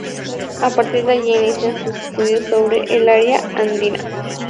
A partir de allí inicia sus estudios sobre el área andina.